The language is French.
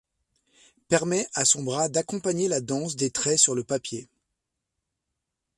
Permet à son bras d’accompagner la danse des traits sur le papier.